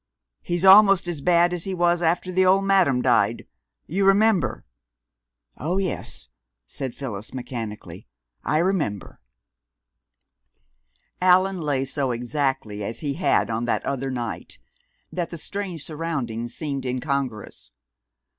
"He's almost as bad as he was after the old madam died you remember?" "Oh, yes," said Phyllis mechanically. "I remember." Allan lay so exactly as he had on that other night, that the strange surroundings seemed incongruous.